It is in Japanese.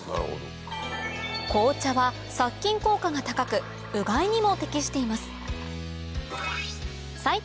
紅茶は殺菌効果が高くうがいにも適しています